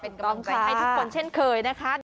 เป็นกำลังใจให้ทุกคนเช่นเคยนะคะ